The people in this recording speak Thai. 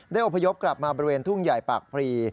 อพยพกลับมาบริเวณทุ่งใหญ่ปากพรี